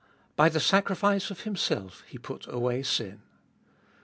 By the sacrifice of Himself He put away sin.